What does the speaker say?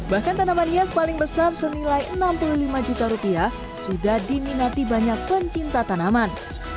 bahkan tanaman hias paling besar senilai enam puluh lima juta rupiah sudah diminati banyak pencinta tanaman